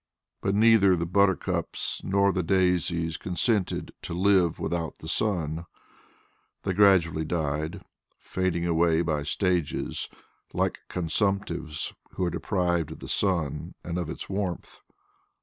But neither the buttercups nor the daisies consented to live without the sun; they gradually died, fading away by stages like consumptives who are deprived of the sun and of its warmth.